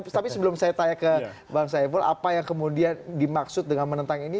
tapi sebelum saya tanya ke bang saiful apa yang kemudian dimaksud dengan menentang ini